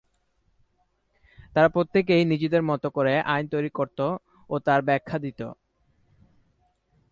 তারা প্রত্যেকেই নিজেদের মতো করে আইন তৈরি করত ও তার ব্যাখ্যা দিত।